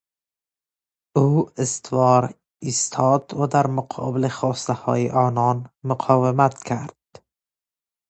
او استوار ایستاد و در مقابل خواستههای آنان مقاومت کرد.